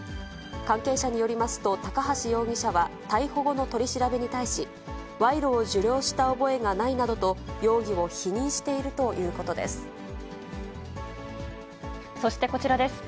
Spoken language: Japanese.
関係者によりますと、高橋容疑者は逮捕後の取り調べに対し、賄賂を受領した覚えがないなどと、容疑を否認しているということでそしてこちらです。